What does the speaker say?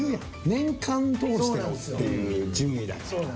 年間通してのっていう順位だから。